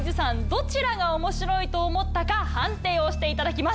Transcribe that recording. どちらが面白いと思ったか判定をしていただきます。